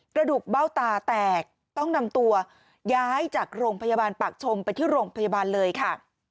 กระดูกเบ้าตาแตกต้องนำตัวย้ายจากโรงพยาบาลปากชมไปที่โรงพยาบาลเลยค่ะ